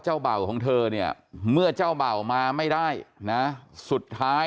เจ้าราชิงของเธอเนี้ยเมื่อเจ้าราชิงมาไม่ได้นะสุดท้าย